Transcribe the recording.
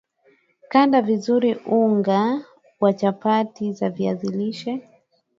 kanda vizuri unga wa chapati za viazi lishe